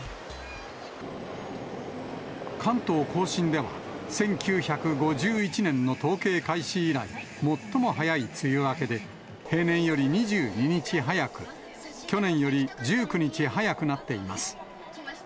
関東甲信では、１９５１年の統計開始以来、最も早い梅雨明けで、平年より２２日早く、去年より１９日早くなっています。